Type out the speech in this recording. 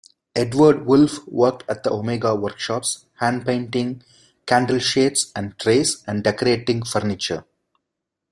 Edward Wolfe worked at the Omega Workshops, hand-painting candle-shades and trays, and decorating furniture.